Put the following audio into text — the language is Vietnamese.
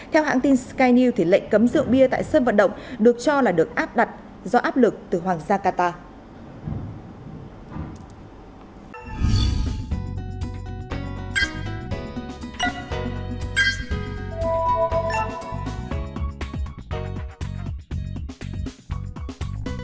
theo hãng tin skynew thì lệnh cấm rượu bia tại sân vận động được cho là được áp đặt do áp lực từ hoàng gia qatar